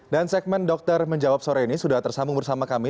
dan segmen dokter menjawab sore ini sudah tersambung bersama kami